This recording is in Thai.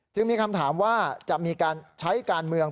มีคำถามว่าจะมีการใช้การเมือง